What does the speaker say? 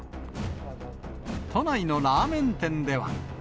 都内のラーメン店では。